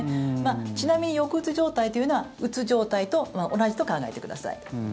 ちなみに、抑うつ状態というのはうつ状態と同じと考えてください。